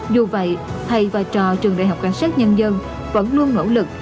dù vậy thầy và trò trường đại học cảnh sát nhân dân vẫn luôn nỗ lực